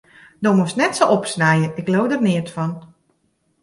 Do moatst net sa opsnije, ik leau der neat fan.